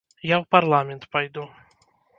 Я ў парламент пайду.